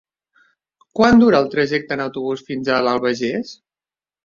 Quant dura el trajecte en autobús fins a l'Albagés?